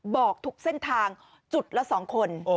บอกทุกเส้นทางจุดละ๒คน